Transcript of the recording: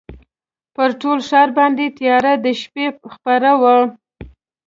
پر ټول ښار باندي تیاره د شپې خپره وه